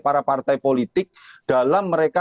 para partai politik dalam mereka